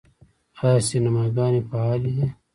آیا سینماګانې فعالې دي؟